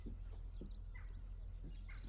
长江粘体虫为粘体科粘体虫属的动物。